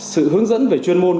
sự hướng dẫn về chuyên môn